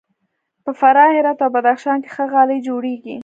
په فراه، هرات او بدخشان کې ښه غالۍ جوړیږي.